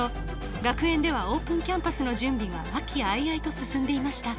学園ではオープンキャンパスの準備が和気あいあいと進んでいました